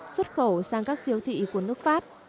xuất khẩu sang các siêu thị của nước pháp